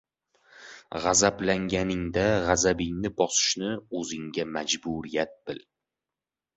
G‘azablanganingda g‘azabingni bosishni o‘zingga majburiyat bil.